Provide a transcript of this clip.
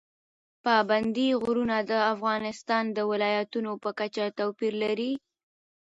پابندي غرونه د افغانستان د ولایاتو په کچه توپیر لري.